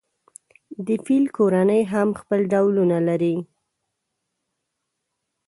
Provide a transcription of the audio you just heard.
د فیل کورنۍ هم خپل ډولونه لري.